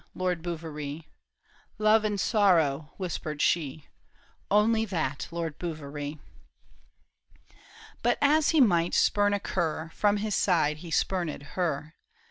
Lord Bouverie." " Love and sorrow," whispered she ;'' Only that, Lord Bouverie." But as he might spurn a cur, From his side he spurned her.